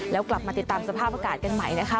แล้วกลับมาติดตามสภาพอากาศกันใหม่นะคะ